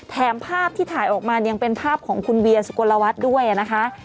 แถมภาพที่ถ่ายออกมายังเป็นภาพของคุณเวียสุกลวัฒน์ด้วยนะคะ